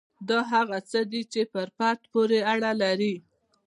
دا هغه څه دي چې پر فرد پورې اړه لري.